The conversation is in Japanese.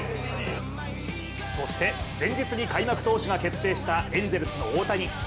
そして前日に開幕投手が決定したエンゼルスの大谷。